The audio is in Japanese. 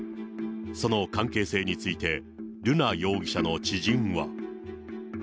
その関係性について、瑠奈容疑者の知人は。